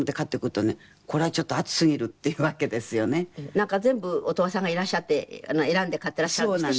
なんか全部乙羽さんがいらっしゃって選んで買ってらっしゃるんですって？